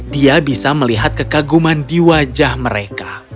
dia bisa melihat kekaguman di wajah mereka